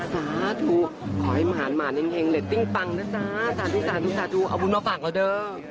สาธุขอให้หมานหมาเห็งเรตติ้งปังนะจ๊ะสาธุสาธุสาธุเอาบุญมาฝากเราเด้อ